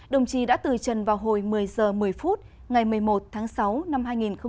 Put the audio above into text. đồng chí đã từ trần vào hồi một mươi h một mươi phút ngày một mươi một tháng sáu năm hai nghìn một mươi chín